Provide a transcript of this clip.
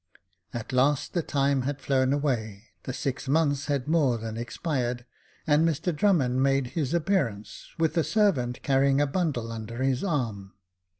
At last the time had flown away, the six months had more than expired, and Mr Drummond made his appearance, with a servant, carrying a bundle under his arm.